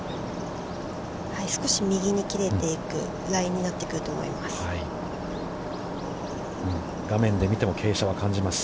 ◆少し右に切れていくラインになってくると思います。